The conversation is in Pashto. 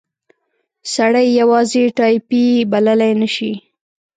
سړی یې یوازې ټایپي بللای نه شي.